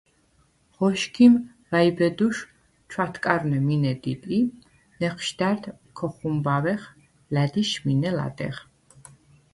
ღოშგიმ ვა̈იბედუშვ ჩვათკარვნე მინე დიდ ი ნეჴშდა̈რდ ქოხუმბავეხ ლა̈დიშ მინე ლადეღ.